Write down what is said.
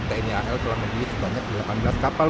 tni al telah membeli sebanyak delapan belas kapal